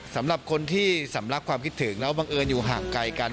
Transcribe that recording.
สำหรับคนที่สำลักความคิดถึงแล้วบังเอิญอยู่ห่างไกลกัน